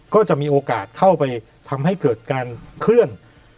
ก็จะมีโอกาสเข้าไปทำให้เกิดการเคลื่อน